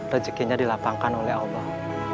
rezekinya dilapangkan oleh allah